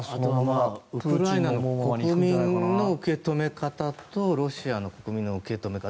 あとウクライナの国民の受け止め方とロシアの国民の受け止め方